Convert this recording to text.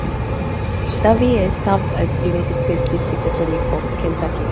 Daveiss served as United States District Attorney for Kentucky.